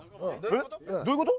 えっ？どういうこと？